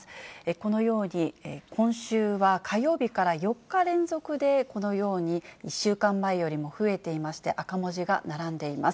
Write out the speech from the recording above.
このように今週は火曜日から４日連続でこのように１週間前より増えていまして、赤文字が並んでいます。